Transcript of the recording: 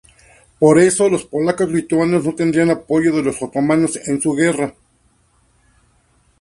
Por eso, los polacos-lituanos no tendrían apoyo de los otomanos en su guerra.